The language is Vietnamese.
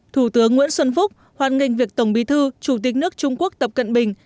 thủ tướng nguyễn xuân phúc hoan nghênh việc tổng bí thư chủ tịch nước trung quốc tập cận bình